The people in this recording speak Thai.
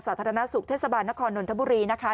สาธารณสุขเทศบาลนครนนทบุรีนะคะ